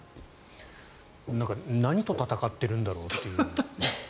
何と戦っているんだろうという。